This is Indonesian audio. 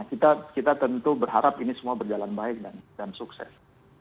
kita tentu berharap ini semua berjalan baik dan sukses